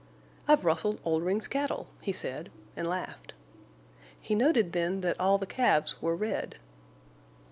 "I've rustled Oldring's cattle," he said, and laughed. He noted then that all the calves were red.